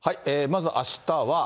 まずあしたは。